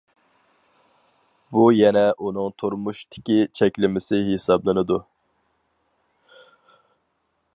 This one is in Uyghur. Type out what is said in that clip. بۇ يەنە ئۇنىڭ تۇرمۇشتىكى چەكلىمىسى ھېسابلىنىدۇ.